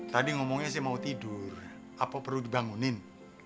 tadi ngomongnya sih mau tidur atau perlu dibangunin